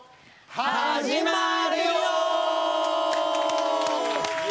始まるよ！